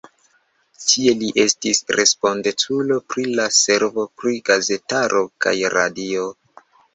Tie li estis respondeculo pri la servo pri gazetaro kaj radio.